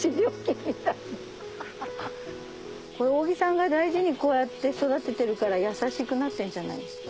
扇さんが大事にこうやって育ててるから優しくなってんじゃない？